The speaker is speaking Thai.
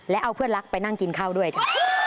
และเอาเพื่อนรักไปนั่งกินข้าวด้วยจ้ะ